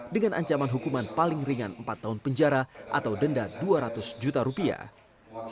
dengan ancaman hukuman paling ringan empat tahun penjara atau denda dua ratus juta rupiah